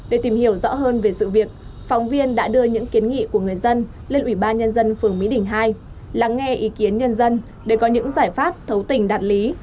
để tìm hiểu rõ hơn về sự việc phóng viên đã đưa những kiến nghị của người dân lên ủy ban nhân dân phường mỹ đình hai lắng nghe ý kiến nhân dân để có những giải pháp thấu tình đạt lý